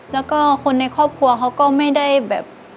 แล้วก็คนในครอบครัวเขาก็ไม่ได้แบบ